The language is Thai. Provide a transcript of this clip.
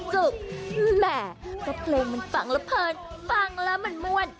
แหมก็เพลงมันฟังแล้วเพลินฟังแล้วมันม่วน